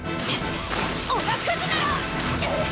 おがくずなら！